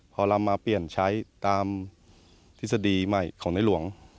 พอเรามาเปลี่ยนใช้ตามทฤษฎีใหม่ของในหลวง